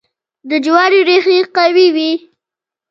د جوارو ریښې قوي وي.